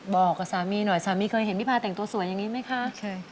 บอกกับสามีหน่อยสามีเคยเห็นพี่พาแต่งตัวสวยอย่างนี้ไหมคะใช่